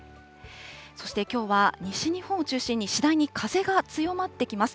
そしてきょうは、西日本を中心に、次第に風が強まってきます。